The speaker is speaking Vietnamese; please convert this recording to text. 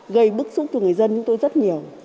gây bức xúc cho người dân chúng tôi rất nhiều